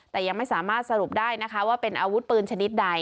แต่ยังไม่สามารถสรุปได้นะคะว่าเป็นอาวุธปืนชนิดใด